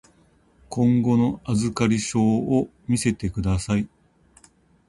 今後の預かり証を見せてください。